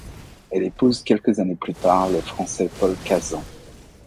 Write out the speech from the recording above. Elle épouse quelques années plus tard le Français Paul Cazan.